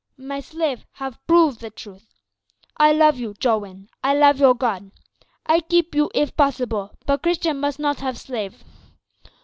My slave have prove the truth. I love you, Jowin. I love your God. I keep you if possible, but Christian must not have slave.